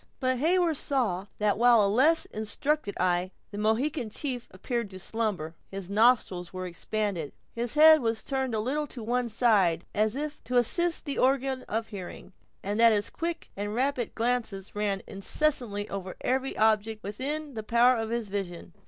But Heyward saw that while to a less instructed eye the Mohican chief appeared to slumber, his nostrils were expanded, his head was turned a little to one side, as if to assist the organs of hearing, and that his quick and rapid glances ran incessantly over every object within the power of his vision.